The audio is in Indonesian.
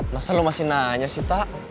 masa lo masih nanya sih tak